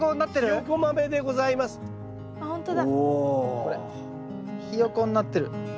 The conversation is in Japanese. これヒヨコになってる。